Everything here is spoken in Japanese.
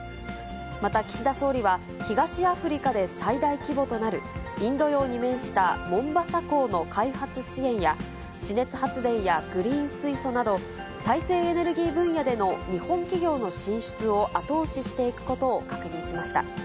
また岸田総理は、東アフリカで最大規模となる、インド洋に面したモンバサ港の開発支援や、地熱発電やグリーン水素など、再生エネルギー分野での日本企業の進出を後押ししていくことを確認しました。